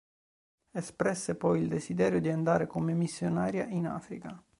Espresse poi il desiderio di andare come missionaria in Africa.